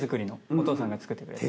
お父さんが作ってくれた。